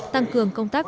tăng cường công tác